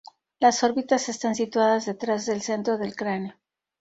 Las órbitas están situadas detrás del centro del cráneo.